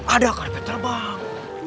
ada karyawan terbang